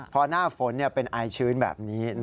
พอหน้าฝนเป็นอายชื้นแบบนี้